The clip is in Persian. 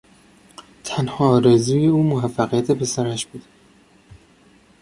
تنها آرزوی او موفقیت پسرش بود.